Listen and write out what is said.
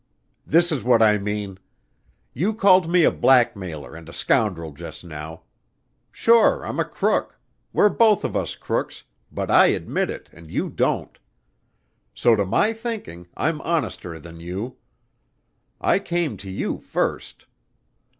"This is what I mean! You called me a blackmailer and a scoundrel just now. Sure I'm a crook! We're both of us crooks, but I admit it and you don't. So to my thinking, I'm honester than you. I came to you first.